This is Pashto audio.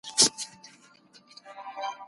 ستا و سپینو ورځو ته که شپې د کابل واغوندم